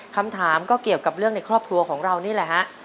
คำถามก็เกี่ยวกับเรื่องในครอบครัวของเรานี่แหละฮะ